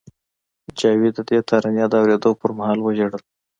جاوید د دې ترانې د اورېدو پر مهال وژړل